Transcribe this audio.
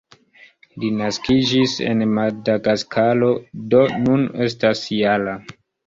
Li naskiĝis en Madagaskaro, do nun estas -jara.